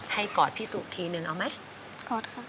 ให้กอดพี่สุทธิ์ทีหนึ่งเอาไหมกอดค่ะ